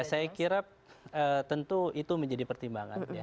saya kira tentu itu menjadi pertimbangan ya